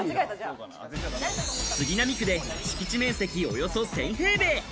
杉並区で敷地面積およそ１０００平米。